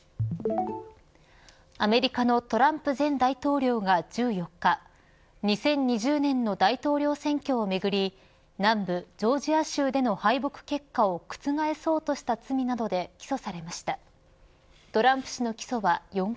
アメリカのトランプ前大統領が１４日２０２０年の大統領選挙をめぐり南部ジョージア州での敗北結果を覆そうとした罪などで起訴されました。